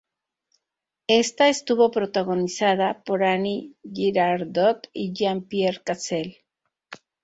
Esta estuvo protagonizada por Annie Girardot y Jean-Pierre Cassel.